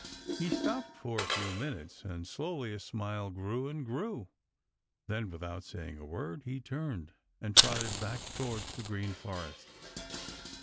He stopped for a few minutes, and slowly a smile grew and grew. Then, without saying a word, he turned and trotted back towards the Green Forest.